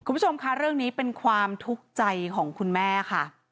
คุณผู้ชมค่ะเรื่องนี้เป็นความทุกข์ใจของคุณแม่ค่ะ